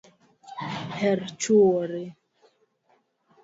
Her chuori